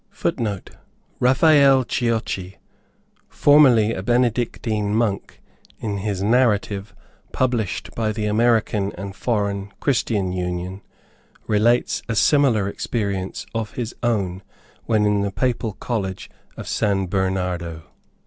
[Footnote: Raffaele Ciocci, formerly a Benedictine Monk, in his "Narrative," published by the American and Foreign Christian Union, relates a similar experience of his own, when in the Papal College of San Bernardo.